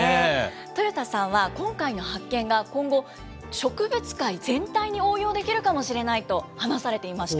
豊田さんは、今回の発見が今後、植物界全体に応用できるかもしれないと話されていました。